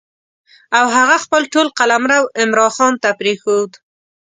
او هغه خپل ټول قلمرو عمرا خان ته پرېښود.